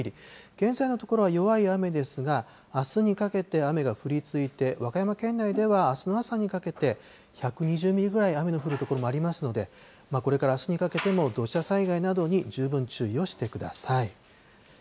現在のところは弱い雨ですが、あすにかけて雨が降り続いて、和歌山県内ではあすの朝にかけて１２０ミリぐらい雨の降る所もありますので、これからあすにかけても土砂災害などに十分注意をしてください。